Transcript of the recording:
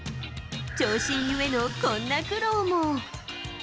長身ゆえのこんな苦労も。